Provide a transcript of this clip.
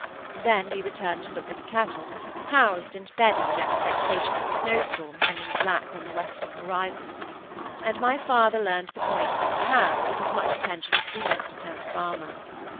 Then we returned to look at the cattle, housed and bedded in expectation of the snow storm hanging black on the western horizon, and my father learned the points of a cow with as much attention as if he meant to turn farmer.